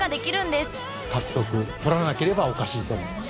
とらなければおかしいと思います。